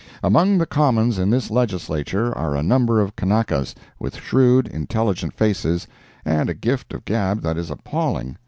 Among the Commons in this Legislature are a number of Kanakas with shrewd, intelligent faces, and a "gift of gab" that is appalling.